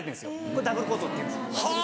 これダブルコートっていうんです。